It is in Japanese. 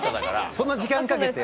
そんな時間かけて？